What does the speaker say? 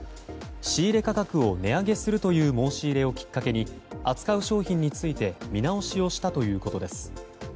仕入れ価格を値上げするという申し入れをきっかけに扱う商品について見直しをしたということです。